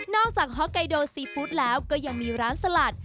อกจากฮอกไกโดซีฟู้ดแล้วก็ยังมีร้านสลัด